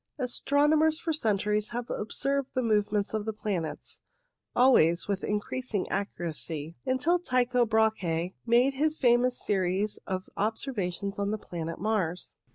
Astronomers for centuries had observed the move ments of the planets, always with increasing accuracy, until Tycho Brahe made his famous series of obser vations on the planet Mars.